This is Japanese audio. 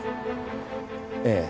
ええ。